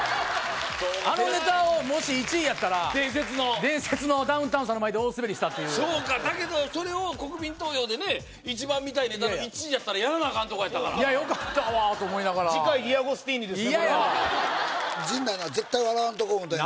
あのネタをもし１位やったら伝説のダウンタウンさんの前で大スベりしたそうかだけどそれを国民投票でね一番見たいネタの１位やったらやらなアカンとこやったからいやよかったわと思いながら嫌やわ思たんやけど何でやねん「絶対笑わんとこ」って何？